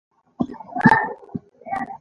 هغه نه یوازې صادق سړی وو بلکې ډېر زړه ور وو.